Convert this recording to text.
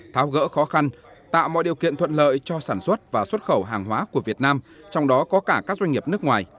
tháo gỡ khó khăn tạo mọi điều kiện thuận lợi cho sản xuất và xuất khẩu hàng hóa của việt nam trong đó có cả các doanh nghiệp nước ngoài